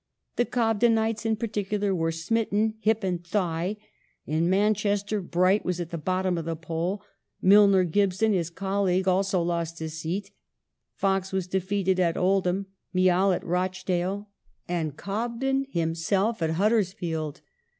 The Cobdenites in particular were smitten hip and thigh ; in Manchester Bright was at the bottom of the poll ; Milner Gibson, his colleague, also lost his seat ; Fox was defeated at Old ham, Miall at Rochdale, and Cobden himself at Huddersfield.